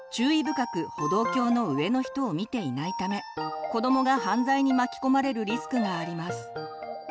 深く歩道橋の上の人を見ていないため子どもが犯罪に巻き込まれるリスクがあります。